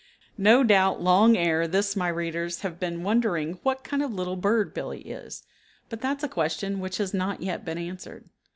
No doubt long ere this my readers have been wondering what kind of a bird Little Billee is, but that is a question which has not yet been answered.